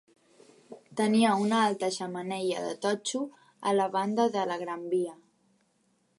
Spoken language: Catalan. Tenia una alta xemeneia de totxo a la banda de la Gran Via.